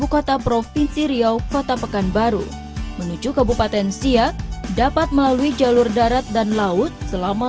kota provinsi riau kota pekanbaru menuju kebupaten siak dapat melalui jalur darat dan laut selama